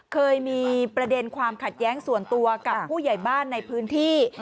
เคยมีประเด็นความขัดแย้งส่วนตัวกับผู้ใหญ่บ้านในพื้นที่